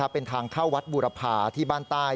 เป็นทางเข้าวัดบูรพาที่บ้านใต้